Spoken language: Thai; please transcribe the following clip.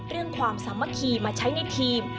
เรื่องความสามัคคีมาใช้ในทีม